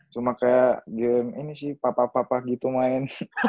cuma kayak game ini sih papa papa gitu main